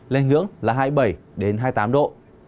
lên hướng là hai mươi bảy hai mươi tám độ